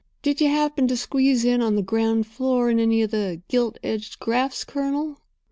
Did you happen to squeeze in on the ground floor in any of the gilt edged grafts, Colonel?"